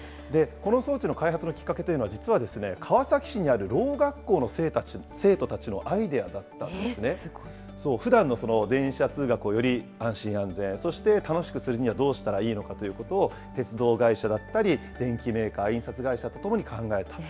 この装置の開発のきっかけというのは、実は川崎市にあるろう学校の生徒たちのアイデアだったんですね。ふだんの電車通学をより安心安全、そして楽しくするにはどうしたらいいのかということを、鉄道会社だったり、電機メーカー、印刷会社とともに考えたと。